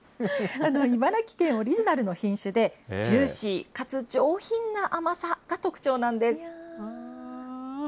茨城県オリジナルの品種で、ジューシーかつ上品な甘さが特徴なんです。